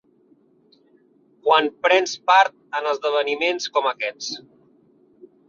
Quan prens part en esdeveniments com aquests